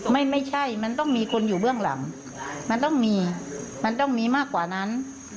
ไม่ใช่มันต้องมีคนอยู่เบื้องหลังมันต้องมีมันต้องมีมากกว่านั้น